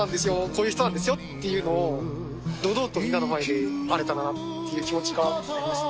こういう人なんですよっていうのを堂々とみんなの前であれたらなっていう気持ちがあります。